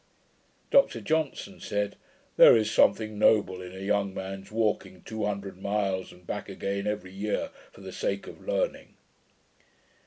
Dr Johnson said, 'There is something noble in a young man's walking two hundred miles and back again, every year, for the sake of learning.'